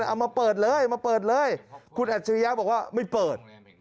เอามาเปิดเลยมาเปิดเลยคุณอัจฉริยะบอกว่าไม่เปิด